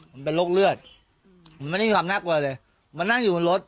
มันเป็นโรคเลือดมันไม่ได้มีความน่ากลัวเลยมันนั่งอยู่บนรถ